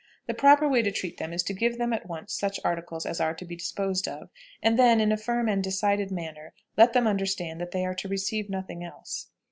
The proper way to treat them is to give them at once such articles as are to be disposed of, and then, in a firm and decided manner, let them understand that they are to receive nothing else.